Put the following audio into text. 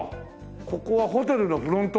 ここはホテルのフロント？